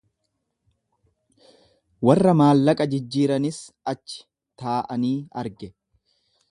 Warra maallaqa jijjiiranis achi taa'anii arge.